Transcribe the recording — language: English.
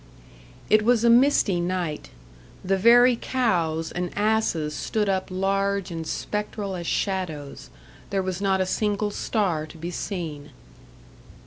It was a misty night. The very cows and asses stood up large and spectral as shadows. There was not a single star to be seen.